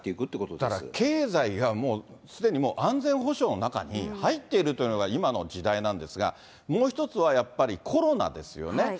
だから経済がもう、すでにもう安全保障の中に入っているというのが、今の時代なんですが、もう一つはやっぱり、コロナですよね。